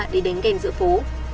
để đánh ghen giữa phố